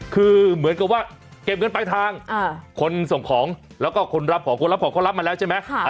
คือเหมือนกับว่าเก็บเงินปลายทางคนส่งของแล้วก็คนรับของคนรับของเขารับมาแล้วใช่ไหม